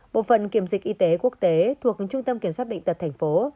bộ phận kiểm dịch y tế quốc tế thuộc trung tâm kiểm soát bệnh tật thành phố